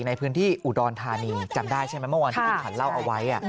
ในพื้นที่อุดรธานีจำได้ใช่ไหมเมื่อวานที่คุณขวัญเล่าเอาไว้